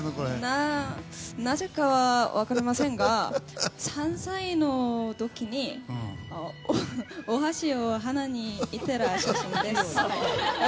なぜか分かりませんが３歳の時にお箸を鼻に入れてる写真です。